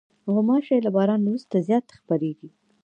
غوماشې له باران وروسته زیاتې خپرېږي.